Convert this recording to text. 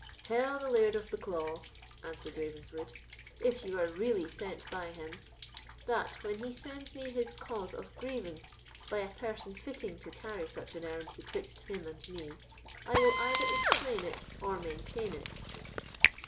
"Tell the Laird of Bucklaw," answered Ravenswood, "if you are really sent by him, that, when he sends me his cause of grievance by a person fitting to carry such an errand betwixt him and me, I will either explain it or maintain it."